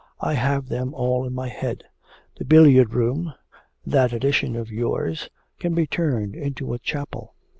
I have them all in my head. The billiard room, that addition of yours, can be turned into a chapel.